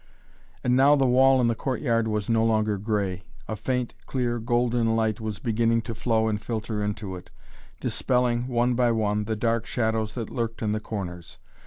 And now the wall in the courtyard was no longer grey. A faint, clear, golden light was beginning to flow and filter into it, dispelling, one by one, the dark shadows that lurked in the corners.